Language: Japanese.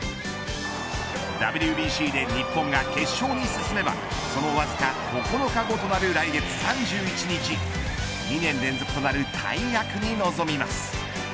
ＷＢＣで日本が決勝に進めばそのわずか９日後となる来月３１日２年連続となる大役に臨みます。